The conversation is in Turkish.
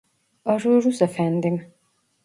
Arıyoruz efendim